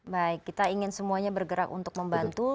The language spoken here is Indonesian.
baik kita ingin semuanya bergerak untuk membantu